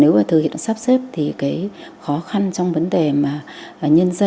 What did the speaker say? nếu thực hiện sắp xếp thì khó khăn trong vấn đề mà nhân dân